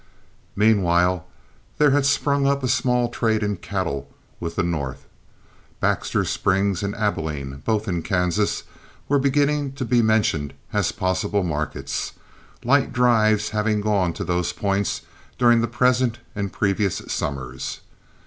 Meanwhile there had sprung up a small trade in cattle with the North. Baxter Springs and Abilene, both in Kansas, were beginning to be mentioned as possible markets, light drives having gone to those points during the present and previous summers.